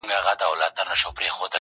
نه دېوال نه كنډواله نه قلندر وو،